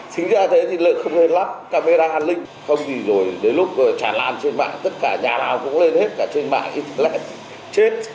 sinh ra thế thì lợi không nên lắp camera an ninh không gì rồi đến lúc tràn lan trên mạng tất cả nhà nào cũng lên hết cả trên mạng lại chết